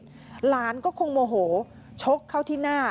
หลานก็คงโมโหชกเข้าที่หน้า